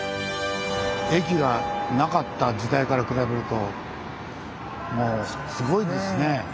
駅がなかった時代から比べるともうすごいですね。